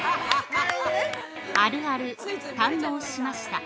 ◆あるある、堪能しました。